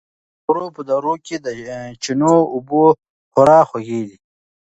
د افغانستان د غرو په درو کې د چینو اوبه خورا خوږې دي.